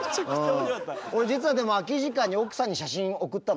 俺実はでも空き時間に奥さんに写真送ったの。